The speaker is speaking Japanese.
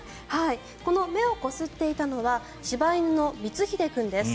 この目をこすっていたのは柴犬の光日出君です。